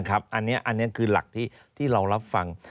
อันนี้คือหลักที่เรารับฟัง